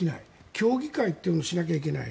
協議会というのをしないといけない